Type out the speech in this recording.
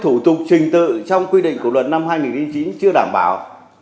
thủ tục trình tự trong quy định của luật năm hai nghìn chín chưa đảm bảo